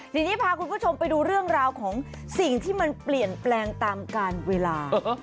ทีนี้พาคุณผู้ชมไปดูเรื่องราวของสิ่งที่มันเปลี่ยนแปลงตามการเวลา